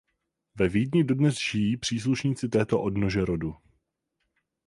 Ve Vídni dodnes žijí příslušníci této odnože rodu.